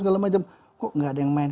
segala macam kok gak ada yang main